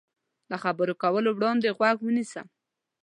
له خبرو کولو وړاندې غوږ ونیسه.